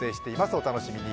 お楽しみに。